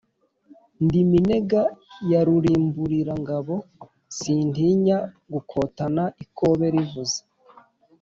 Ndi Minega ya Rubimbulirangabo, sintinya gukotana ikobe livuze.